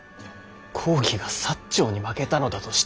公儀が長に負けたのだと知った。